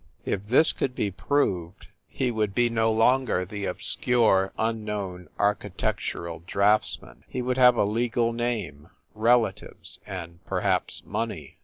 If this could be proved he would be no longer the obscure, unknown architectural drafts man. He would have a legal name, relatives, and perhaps money.